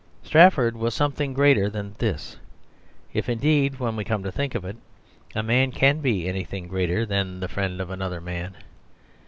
Strafford was something greater than this; if indeed, when we come to think of it, a man can be anything greater than the friend of another man.